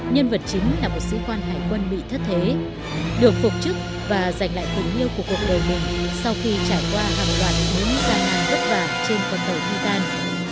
nhân vật chính là một sĩ quan hải quân bị thất thế được phục trức và giành lại tình yêu của cuộc đời mình sau khi trải qua hàng toàn những gian nạn vất vả trên con tàu titan